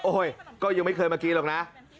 โอ้โฮยก็ยังไม่เคยมากินหรอกนะ